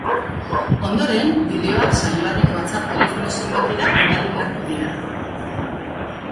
Ondoren, bideoak saioaren whatsapp telefono zenbakira bidali beharko dira.